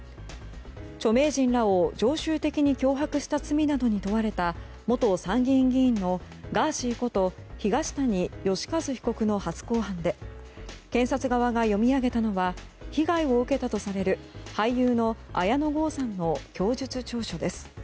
著名人らを常習的に脅迫した罪などに問われた元参議院議員のガーシーこと東谷義和被告の初公判で検察側が読み上げたのは被害を受けたとされる俳優の綾野剛さんの供述調書です。